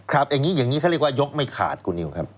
ครับอย่างนี้เขาเรียกว่ายกไม่ขาดกูนิวครับ